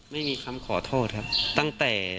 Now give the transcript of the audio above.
ไม่มีคำขอโทษครับ